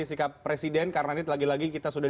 sikap presiden karena ini lagi lagi kita sudah